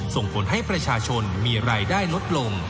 ส่งผลให้ประชาชนมีรายได้ลดลง